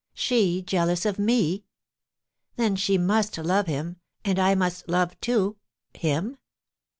She jealous of me! Then she must love him, and I must love, too him?